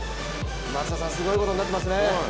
松田さん、すごいことになっていますね。